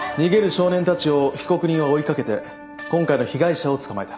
少年たちを被告人は追い掛けて今回の被害者を捕まえた。